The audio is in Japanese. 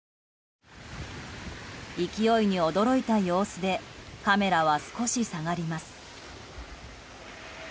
勢いに驚いた様子でカメラは少し下がります。